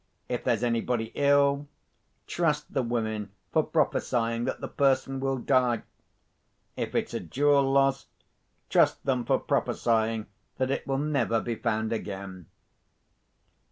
If there's anybody ill, trust the women for prophesying that the person will die. If it's a jewel lost, trust them for prophesying that it will never be found again."